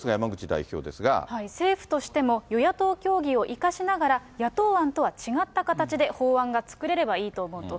政府としても、与野党協議を生かしながら、野党案とは違った形で、法案が作れればいいと思うと。